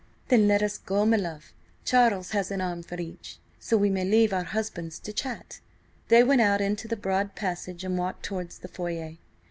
"Then let us go, my love. Charles has an arm for each, so we may leave our husbands to chat." They went out into the broad passage and walked towards the foyer.